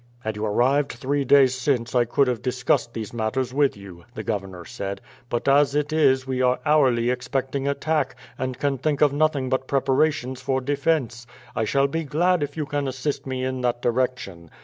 "Had you arrived three days since I could have discussed these matters with you," the governor said; "but as it is we are hourly expecting attack, and can think of nothing but preparations for defence. I shall be glad if you can assist me in that direction.